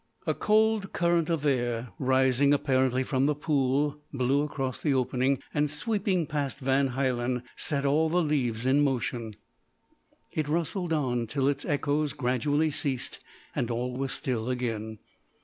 A cold current of air, rising apparently from the pool, blew across the opening, and sweeping past Van Hielen, set all the leaves in motion. It rustled on till its echoes gradually ceased, and all was still again.